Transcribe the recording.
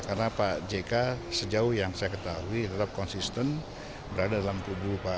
karena pak jk sejauh yang saya ketahui tetap konsisten berada dalam tubuh pak